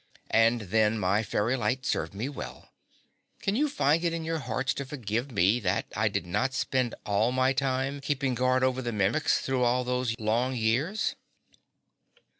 And then my fairy light served me well. Can you find it in your hearts to forgive me that I did not spend all my time keeping guard over the Mimics through all those long years?"